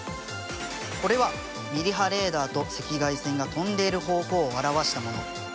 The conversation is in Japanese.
これはミリ波レーダーと赤外線が飛んでいる方向を表したもの。